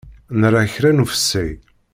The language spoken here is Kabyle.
Nra kra n ufessay.